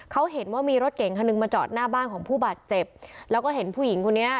เขาเห็นว่ามีรถเก่งคันหนึ่งมาจอดหน้าบ้านของผู้บาดเจ็บแล้วก็เห็นผู้หญิงคนนี้